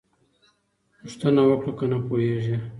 پوښتنه وکړه که نه پوهېږې.